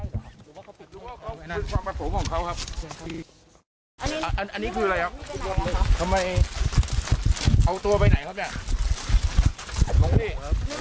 ความประสงค์ของเขาครับอันนี้คืออะไรครับเอาตัวไปไหนครับเนี่ย